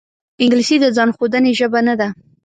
انګلیسي د ځان ښودنې ژبه نه ده